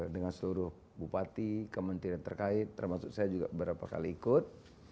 dengan seluruh bupati kementerian terkait termasuk saya juga beberapa kali ikut